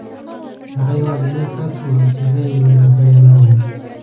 هغه یوازینی کس و چې زه یې هېره کړې نه وم.